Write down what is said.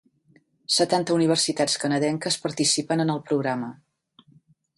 Setanta universitats canadenques participen en el programa.